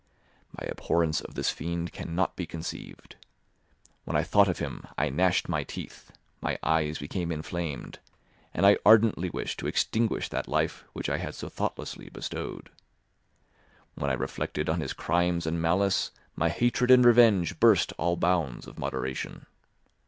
My abhorrence of this fiend cannot be conceived. When I thought of him I gnashed my teeth, my eyes became inflamed, and I ardently wished to extinguish that life which I had so thoughtlessly bestowed. When I reflected on his crimes and malice, my hatred and revenge burst all bounds of moderation.